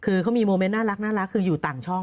คือเขามีโมเมนต์น่ารักคืออยู่ต่างช่อง